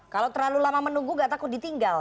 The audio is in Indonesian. kalau terlalu lama menunggu gak takut ditinggal